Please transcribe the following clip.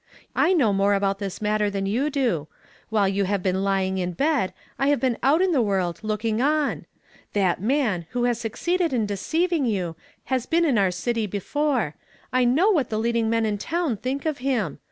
I know more about this mat ter than you do. Wliile you have been lying in bed, I have been out in tlie world, looicing on. Tli.it man, who has succeeded in deceiving you, has been in our city before ; I know what the leading men in town think of him.